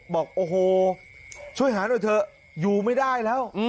บอกโอ้โหช่วยหาหน่อยเถอะอยู่ไม่ได้แล้ว